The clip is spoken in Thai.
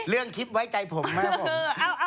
เรื่องคลิปไว้ใจผมมากผม